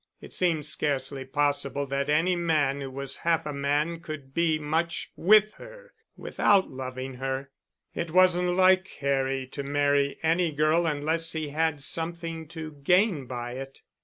It seemed scarcely possible that any man who was half a man could be much with her without loving her. It wasn't like Harry to marry any girl unless he had something to gain by it.